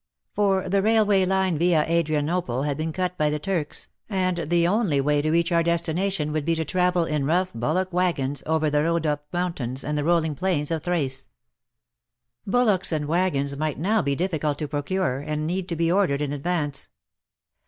For the railway line via Adrianople had been cut by the Turks, and the only way now to reach our destination would be to travel in rough bullock waggons over the Rhodope mountains and the rolling plains of Thrace. Bullocks and waggons might now be difficult to procure, and need to be ordered in advance.